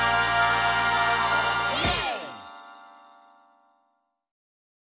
イエーイ！